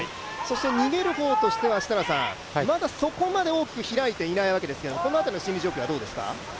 逃げる方としては、まだそこまで大きく開いていないわけですけれどもこの辺りの心理状況はどうですか？